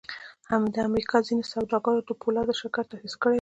د امریکا ځینو سوداګرو د پولادو شرکت تاسیس کړی و